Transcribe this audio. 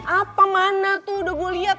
apa mana tuh udah gue liat